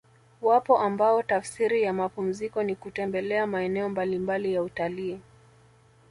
Wapo ambao tafsiri ya mapumziko ni kutembelea maeneo mbalimbali ya utalii